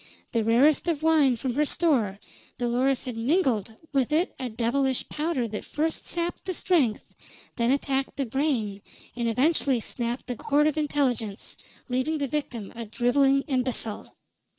The rarest of wine from her store, Dolores had mingled with it a devilish powder that first sapped the strength, then attacked the brain, and eventually snapped the cord of intelligence, leaving the victim a driveling imbecile.